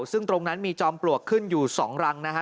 ซึ่งตรงนั้นมีจอมปลวกขึ้นอยู่๒รังนะฮะ